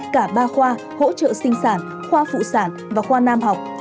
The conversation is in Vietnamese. cả ba khoa hỗ trợ sinh sản khoa phụ sản và khoa nam học